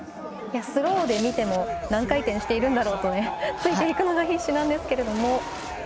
スローで見ても何回転しているんだろうとついていくのが必死なんですが。